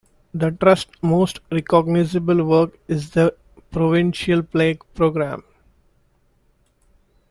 The Trust's most recognizable work is the Provincial Plaque Program.